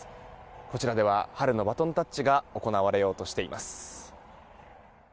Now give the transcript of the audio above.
こちらでは春のバトンタッチが行われようとしています。